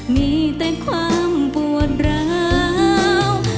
มีแต่ความปวดร้าว